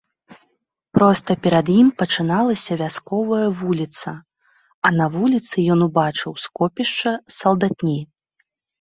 Проста перад ім пачыналася вясковая вуліца, а на вуліцы ён убачыў скопішча салдатні.